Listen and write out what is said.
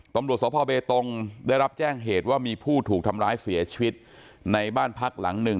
ตำรวจสพเบตงได้รับแจ้งเหตุว่ามีผู้ถูกทำร้ายเสียชีวิตในบ้านพักหลังหนึ่ง